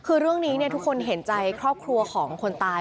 คือเรื่องนี้ทุกคนเห็นใจครอบครัวของคนตาย